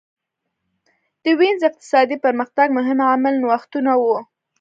د وینز اقتصادي پرمختګ مهم عامل نوښتونه وو